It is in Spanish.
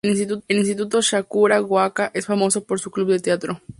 El instituto Sakura-Gaoka es famoso por su club de teatro.